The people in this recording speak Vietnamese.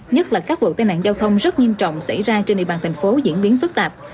nhất là các vụ tai nạn giao thông rất nghiêm trọng xảy ra trên địa bàn thành phố diễn biến phức tạp